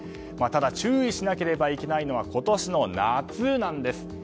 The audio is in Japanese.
ただ注意しなければいけないのは今年の夏なんです。